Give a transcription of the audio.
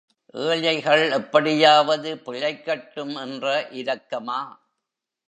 ஏழைகள் எப்படியாவது பிழைக்கட்டும் என்ற இரக்கமா?